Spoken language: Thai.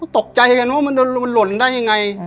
ตกใจเห็นเหรอว่ามันหล่นได้ยังไง